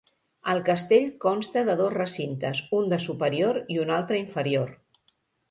El castell consta de dos recintes, un de superior i un altre inferior.